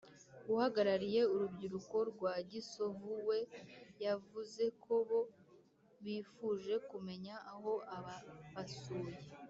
uhagarariye urubyiruko rwa gisovu we, yavuze ko bo bifuje kumenya aho ababasuye